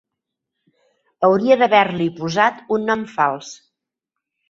Hauria d'haver-li posat un nom fals.